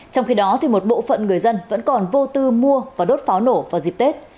trong khi đó một bộ phận người dân vẫn còn vô tư mua và đốt pháo nổ vào dịp tết